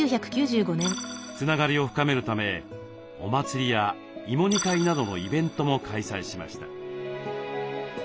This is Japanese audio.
つながりを深めるためお祭りや芋煮会などのイベントも開催しました。